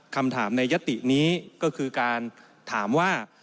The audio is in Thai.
คำถามในยตินี้ก็คือการถามว่า